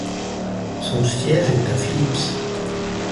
Son siège est à Phillips.